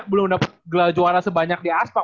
belum dapat gelar juara sebanyak di aspak